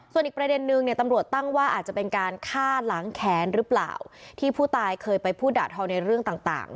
ส่วนอีกประเด็นนึงเนี่ยตำรวจตั้งว่าอาจจะเป็นการฆ่าล้างแขนหรือเปล่าที่ผู้ตายเคยไปพูดด่าทอในเรื่องต่าง